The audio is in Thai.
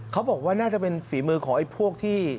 เขาบอกว่าน่าจะเป็นฝีมือของไอ้พวกที่